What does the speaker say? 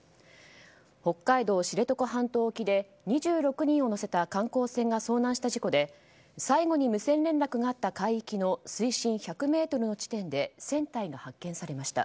北海道知床半島沖で２６人を乗せた観光船が遭難した事故で最後に無線連絡があった海域の水深１００ｍの地点で船体が発見されました。